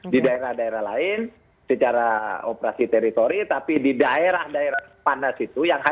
di daerah daerah lain secara operasi teritori tapi di daerah daerah panas itu